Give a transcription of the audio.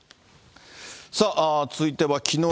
さあ、続いてはきのう